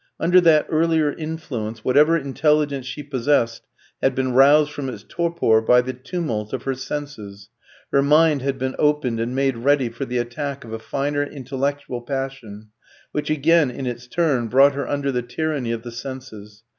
Under that earlier influence, whatever intelligence she possessed had been roused from its torpor by the tumult of her senses; her mind had been opened and made ready for the attack of a finer intellectual passion, which again in its turn brought her under the tyranny of the senses.